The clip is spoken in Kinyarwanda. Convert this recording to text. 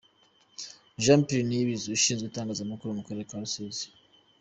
Jean Pierre Niyibizi Ushinzwe Itangazamakuru mu Karere ka Rusizi.